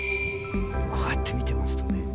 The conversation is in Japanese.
こうやって見てますよね。